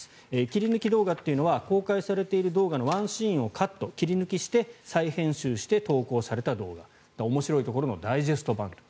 切り抜き動画というのは公開されている動画のワンシーンをカット、切り抜きして再編集して投稿された動画面白いところのダイジェスト版と。